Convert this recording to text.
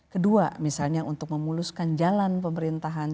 kedua misalnya untuk memuluskan jalan pemerintahan